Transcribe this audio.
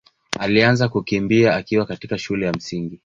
alianza kukimbia akiwa katika shule ya Msingi.